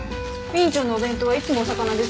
院長のお弁当はいつもお魚ですよね。